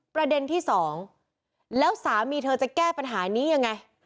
ประเด็นที่สองแล้วสามีเธอจะแก้ปัญหานี้ยังไง